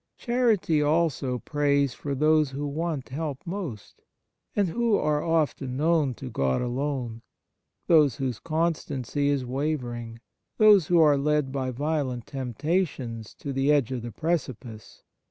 Charity also prays for those who want help most, and who are often known to God alone those whose constancy is wavering, those who are led by violent temptations to the edge of the precipice.